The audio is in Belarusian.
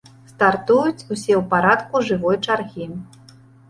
Стартуюць усе ў парадку жывой чаргі.